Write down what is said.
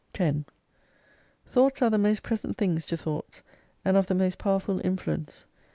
10 Thoughts are the most present things to thoughts, and of the most powerful influence.